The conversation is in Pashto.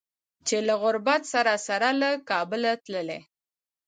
چې له غربت سره سره له کابله تللي